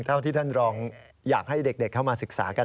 เท่าที่ท่านรองอยากให้เด็กเข้ามาศึกษากัน